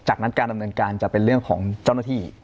จากนั้นการดำเนินการจะเป็นเรื่องของเจ้าหน้าที่